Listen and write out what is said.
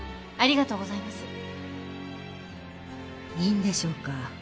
いいんでしょうか？